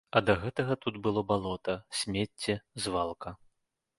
А да гэтага тут было балота, смецце, звалка.